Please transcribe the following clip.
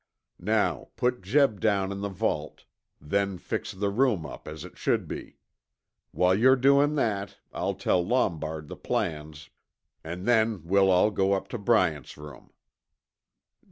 Now put Jeb down in the vault, then fix the room up as it should be. While you're doin' that I'll tell Lombard the plans, an' then we'll all go up to Bryant's room."